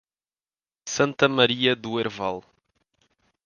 Santa Maria do Herval